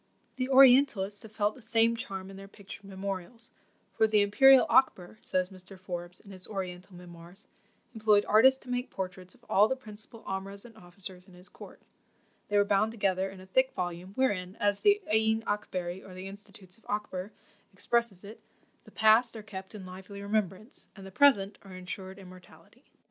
The Orientalists have felt the same charm in their pictured memorials; for "the imperial Akber," says Mr. Forbes, in his Oriental Memoirs, "employed artists to make portraits of all the principal omrahs and officers in his court;" they were bound together in a thick volume, wherein, as the Ayeen Akbery, or the Institutes of Akber, expresses it, "The PAST are kept in lively remembrance; and the PRESENT are insured immortality."